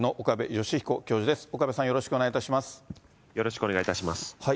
岡部さん、よろしくお願いいたします。